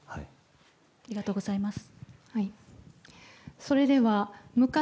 ありがとうございます。